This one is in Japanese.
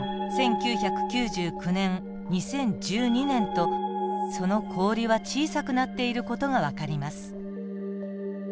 １９８０年１９９９年２０１２年とその氷は小さくなっている事がわかります。